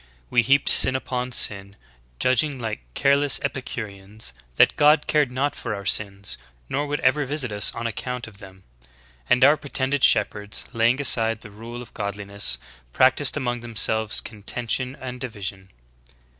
We heaped sin upon sin, judging like careless Epicureans, that God cared not for our sins, nor would ever visit us on ac count of them. And our pretended shepherds, laying aside the rule of godliness, practiced among themselves contention and division."